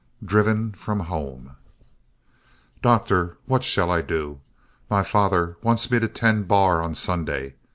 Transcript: DRIVEN FROM HOME "Doctor, what shall I do? My father wants me to tend bar on Sunday.